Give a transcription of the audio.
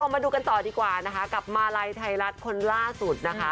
มาดูกันต่อดีกว่านะคะกับมาลัยไทยรัฐคนล่าสุดนะคะ